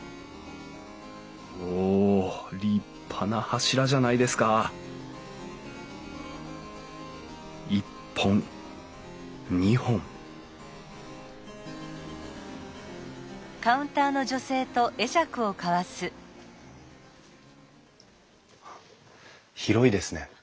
おお立派な柱じゃないですか１本２本広いですね。